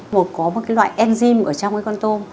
một có một cái loại enzym ở trong cái con tôm